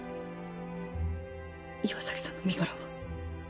岩崎さんの身柄は？